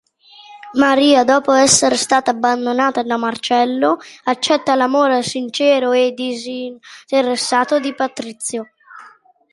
Maria, dopo essere stata abbandonata da Marcello, accetta l'amore sincero e disinteressato di Patrizio.